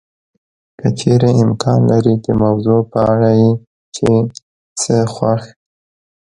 که چېرې امکان لري د موضوع په اړه یې چې څه خوښ